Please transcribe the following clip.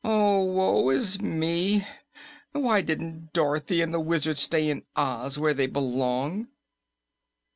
Woe is me! Why didn't Dorothy and the Wizard stay in Oz, where they belong?"